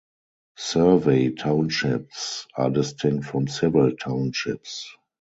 Survey townships are distinct from civil townships.